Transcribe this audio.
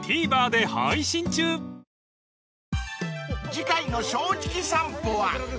［次回の『正直さんぽ』は］